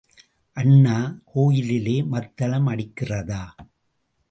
அண்ணா, கோயிலிலே மத்தளம் அடிக்கிறதா?